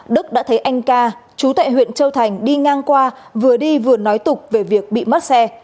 đức đã thấy anh ca chú tại huyện châu thành đi ngang qua vừa đi vừa nói tục về việc bị mất xe